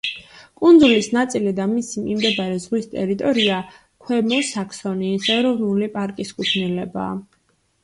კუნძულის ნაწილი და მისი მიმდებარე ზღვის ტერიტორია ქვემო საქსონიის ეროვნული პარკის კუთვნილებაა.